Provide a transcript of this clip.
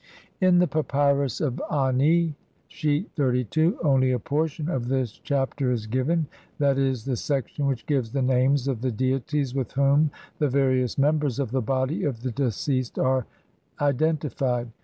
In the Papyrus of Ani, sheet 32, only a portion of this Chapter is given, ;'. e., the section which gives the names of the deities with whom the various members of the body of the deceased are identified.